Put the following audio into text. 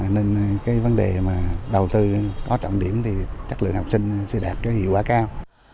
nên cái vấn đề mà đầu tư có trọng điểm thì chất lượng học sinh sẽ đạt cái hiệu quả cao